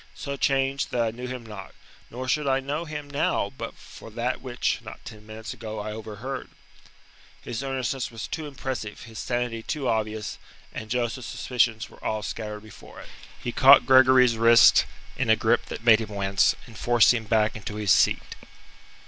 So changed that I knew him not, nor should I know him now but for that which, not ten minutes ago, I overheard." His earnestness was too impressive, his sanity too obvious, and Joseph's suspicions were all scattered before it. He caught Gregory's wrist in a grip that made him wince, and forced him back into his seat.